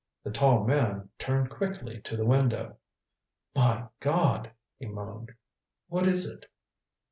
The tall man turned quickly to the window. "My God " he moaned. "What is it?"